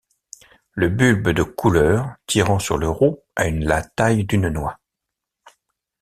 Le bulbe de couleur tirant sur le roux a la taille d'une noix.